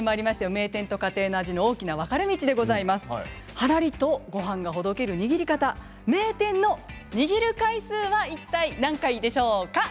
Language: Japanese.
名店と家庭の味の大きな分かれ道はらりとごはんがほどける握り方名店の握る回数はいったい何回でしょうか。